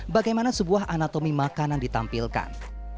bagaimana sebuah anatomi makanan ditampilkan